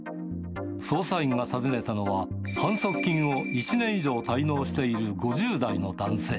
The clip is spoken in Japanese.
捜査員が訪ねたのは、反則金を１年以上、滞納している５０代の男性。